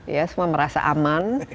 ya semua merasa aman